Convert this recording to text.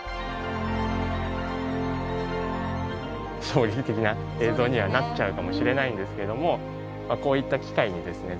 衝撃的な映像にはなっちゃうかもしれないんですけどもこういった機会にですね